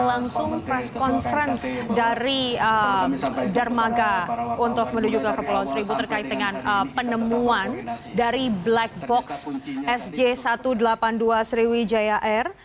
langsung press conference dari dermaga untuk menuju ke kepulauan seribu terkait dengan penemuan dari black box sj satu ratus delapan puluh dua sriwijaya air